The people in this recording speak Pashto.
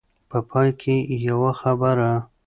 په پای کې يوه خبره.